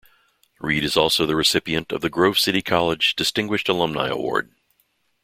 Reed is also the recipient of the Grove City College Distinguished Alumni Award.